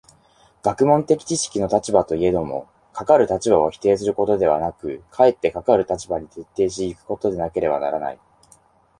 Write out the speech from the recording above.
学問的知識の立場といえども、かかる立場を否定することではなく、かえってかかる立場に徹底し行くことでなければならない。